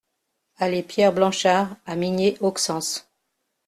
Allée Pierre Blanchard à Migné-Auxances